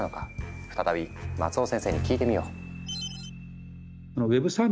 再び松尾先生に聞いてみよう。